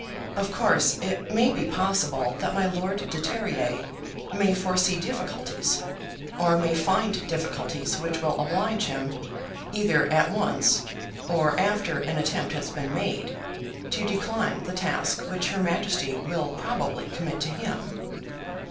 "Of course it may be possible that my Lord de Terrier may foresee difficulties, or may find difficulties which will oblige him, either at once, or after an attempt has been made, to decline the task which her Majesty will probably commit to him.